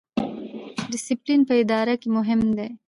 ډیسپلین په اداره کې مهم دی